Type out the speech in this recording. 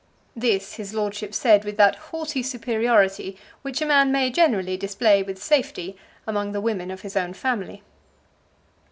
This his lordship said with that haughty superiority which a man may generally display with safety among the women of his own family.